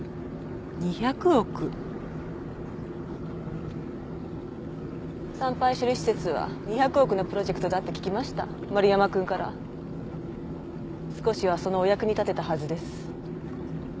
２００億産廃処理施設は２００億のプロジェクトだって聞きました丸山くんから少しはそのお役に立てたはずです